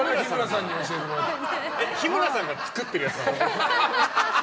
日村さんが作ってるやつなんですか？